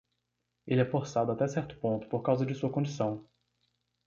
Ele é forçado até certo ponto por causa de sua condição.